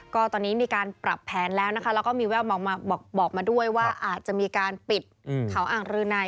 ก็ตอนนี้มีการปรับแผนแล้วนะคะแล้วก็มีแววบอกมาด้วยว่าอาจจะมีการปิดเขาอ่างรืนัย